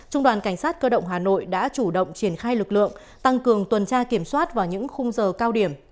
trung đoàn cảnh sát cơ động hà nội đã chủ động triển khai lực lượng tăng cường tuần tra kiểm soát vào những khung giờ cao điểm